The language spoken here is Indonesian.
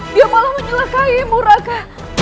dia malah menyelakai muraga